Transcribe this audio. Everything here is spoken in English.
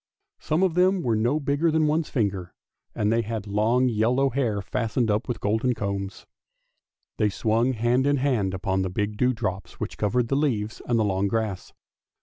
Some of them were no bigger than one's ringer, and they had long yellow hair fastened up with golden combs. They swung hand in hand upon the big dewdrops which covered the leaves and the long grass.